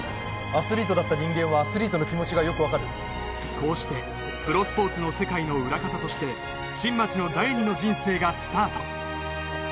アスリートだった人間はアスリートの気持ちがよく分かるこうしてプロスポーツの世界の裏方として新町の第２の人生がスタート